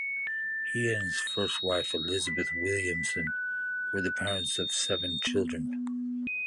He and his first wife Elizabeth Williamson were the parents of seven children.